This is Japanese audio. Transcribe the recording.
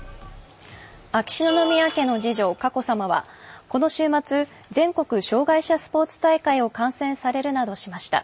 秋篠宮家の次女・佳子さまはこの週末全国障害者スポーツ大会を観戦するなどされました。